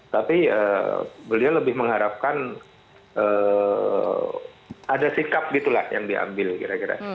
tapi beliau lebih mengharapkan ada sikap gitu lah yang diambil kira kira